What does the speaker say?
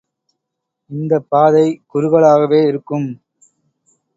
இந்தப் பாதை குறுகலாகவே இருக்கும்.